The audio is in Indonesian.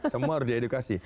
semua harus di edukasi